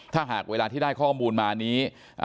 ถ้าหากเวลาที่ได้ข้อมูลมานี้